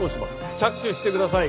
着手してください。